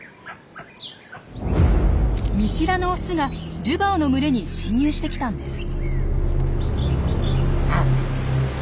見知らぬオスがジュバオの群れに侵入してきたんです。